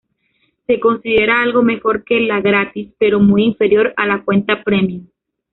Se considera algo mejor que la gratis, pero muy inferior a la cuenta "premium".